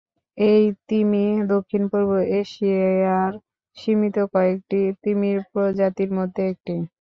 এই তিমি দক্ষিণ পূর্ব এশিয়ার সীমিত কয়েকটি তিমির প্রজাতির মধ্যে একটি।